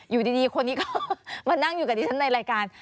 อยู่ดีคนนี้ก็มานั่งอยู่กับดิฉันในรายการ